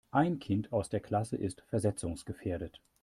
Ein Kind aus der Klasse ist versetzungsgefährdet.